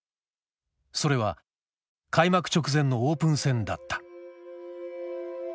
それは開幕直前のオープン戦だった。